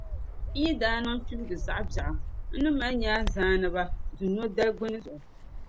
N yi daa niŋ kpibiga zaɣ’ biɛɣu, n ni mali nyaanzaaniba dunɔdali gbini zuɣu.